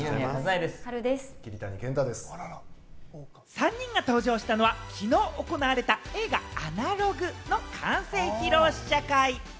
３人が登場したのはきのう行われた映画『アナログ』の完成披露試写会。